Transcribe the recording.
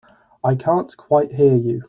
I can't quite hear you.